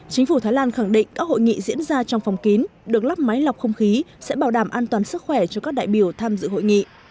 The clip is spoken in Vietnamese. chính phủ thái lan khẳng định các hội nghị diễn ra trong phòng kín được lắp máy lọc không khí sẽ bảo đảm an toàn sức khỏe cho các đại biểu tham dự hội nghị